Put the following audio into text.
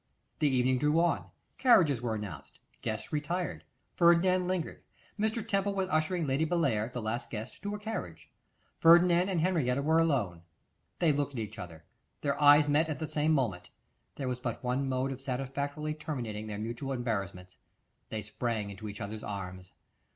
The evening drew on; carriages were announced; guests retired; Ferdinand lingered; Mr. Temple was ushering Lady Bellair, the last guest, to her carriage; Ferdinand and Henrietta were alone. They looked at each other, their eyes met at the same moment, there was but one mode of satisfactorily terminating their mutual embarrassments: they sprang into each other's arms.